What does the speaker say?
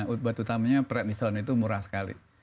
obat utamanya prednisone itu murah sekali